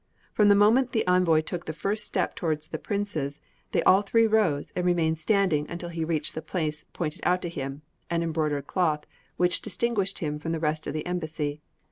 From the moment the envoy took the first step towards the princes, they all three rose, and remained standing until he reached the place pointed out to him an embroidered cloth, which distinguished him from the rest of the embassy.